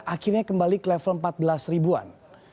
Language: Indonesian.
akhirnya kembali ke level empat belas ribuan